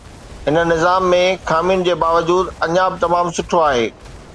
هن نظام ۾ خامين جي باوجود، اڃا به تمام سٺو آهي.